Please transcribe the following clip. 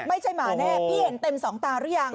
หมาแน่พี่เห็นเต็มสองตาหรือยัง